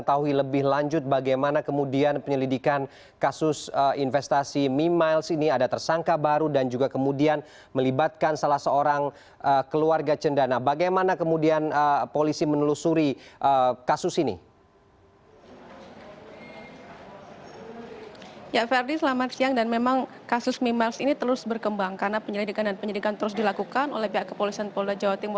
dan memang kasus memiles ini terus berkembang karena penyelidikan dan penyelidikan terus dilakukan oleh pihak kepolisian polda jatim